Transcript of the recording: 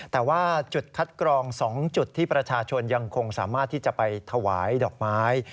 แต่ว่าจุดคัดกรอง๒จุดที่ประชาชนยังคงสามารถที่จะไปถวายดอกไม้